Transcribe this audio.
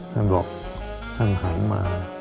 ท่านบอกท่านหันมา